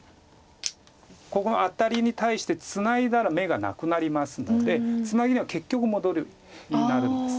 ここのアタリに対してツナいだら眼がなくなりますのでツナギには結局戻りになるんです。